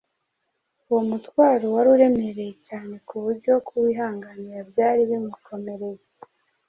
Uwo mutwaro wari uremereye cyane ku buryo kuwihanganira byari bimukomereye.